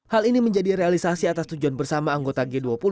hal ini menjadi realisasi atas tujuan bersama anggota g dua puluh